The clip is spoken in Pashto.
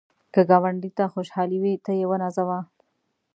که ګاونډي ته خوشحالي وي، ته یې ونازوه